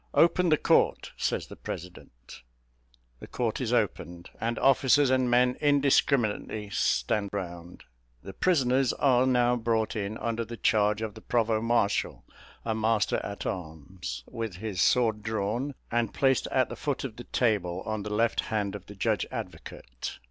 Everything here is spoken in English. "Open the court," says the president. The court is opened, and officers and men indiscriminately stand round. The prisoners are now brought in under the charge of the provost marshal, a master at arms, with his sword drawn, and placed at the foot of the table, on the left hand of the judge advocate.